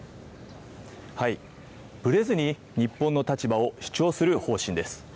ぶれずに日本の立場を主張する方針です。